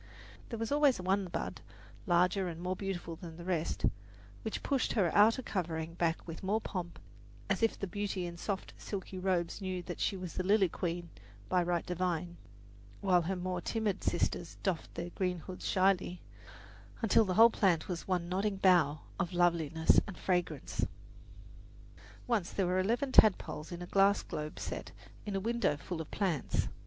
There was always one bud larger and more beautiful than the rest, which pushed her outer, covering back with more pomp, as if the beauty in soft, silky robes knew that she was the lily queen by right divine, while her more timid sisters doffed their green hoods shyly, until the whole plant was one nodding bough of loveliness and fragrance. Once there were eleven tadpoles in a glass globe set in a window full of plants.